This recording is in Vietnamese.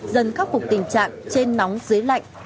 dần khắc phục tình trạng trên nóng dưới lạnh